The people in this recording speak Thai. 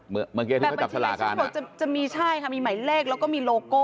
แบบบัญชีรายชื่อบอกจะมีใช่ค่ะมีหมายเลขแล้วก็มีโลโก้